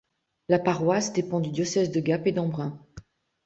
La paroisse dépend du diocèse de Gap et d'Embrun.